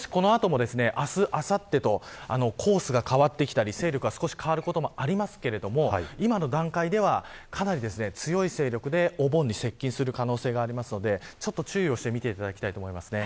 この後も、明日、あさってとコースが変わってきたり勢力が変わることもありますが今の段階ではかなり強い勢力で、お盆に接近する可能性がありますので注意をしてみていただきたいです。